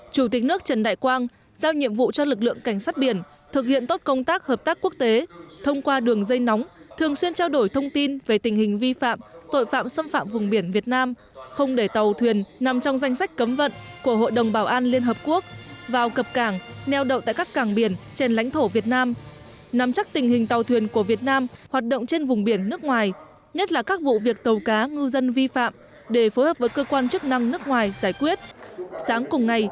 chủ tịch nước trần đại quang giao nhiệm vụ cho lực lượng cảnh sát biển thực hiện tốt công tác hợp tác quốc tế thông qua đường dây nóng thường xuyên trao đổi thông tin về tình hình vi phạm tội phạm xâm phạm vùng biển việt nam không để tàu thuyền nằm trong danh sách cấm vận của hội đồng bảo an liên hợp quốc vào cập cảng neo đậu tại các cảng biển trên lãnh thổ việt nam nắm chắc tình hình tàu thuyền của việt nam hoạt động trên vùng biển nước ngoài nhất là các vụ việc tàu cá ngư dân vi phạm để phối hợp với cơ quan chức năng nước ngo